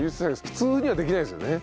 普通にはできないですよね？